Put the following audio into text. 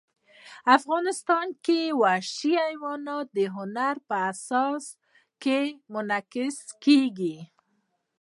افغانستان کې وحشي حیوانات د هنر په اثار کې منعکس کېږي.